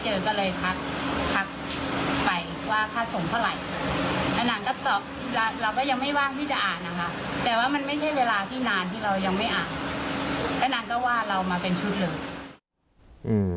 ดังนั้นก็ว่าเรามาเป็นชุดเหลือ